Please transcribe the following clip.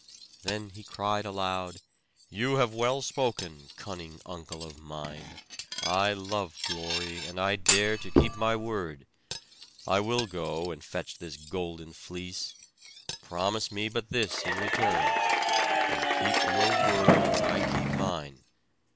Then he cried aloud: "You have well spoken, cunning uncle of mine! I love glory, and I dare keep to my word. I will go and fetch this golden fleece. Promise me but this in return, and keep your word as I keep mine.